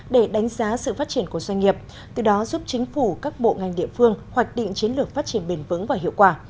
để đánh giá sự phát triển của doanh nghiệp từ đó giúp chính phủ các bộ ngành địa phương hoạch định chiến lược phát triển bền vững và hiệu quả